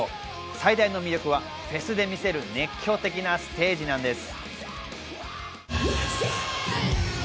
最大の魅力はフェス見せる、熱狂的なステージなんです。